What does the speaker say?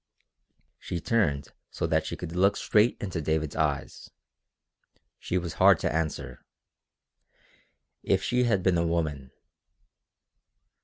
She turned so that she could look straight into David's eyes. She was hard to answer. If she had been a woman....